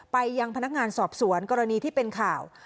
ไปยังพนักงานสอบสวนกรณีที่เป็นข่าว